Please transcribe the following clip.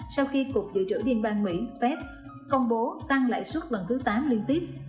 sau khi cục dự trữ viên bang mỹ phép công bố tăng lại suốt lần thứ tám liên tiếp